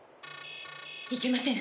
いけません